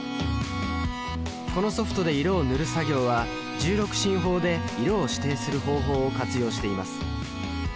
このソフトで色を塗る作業は１６進法で色を指定する方法を活用しています。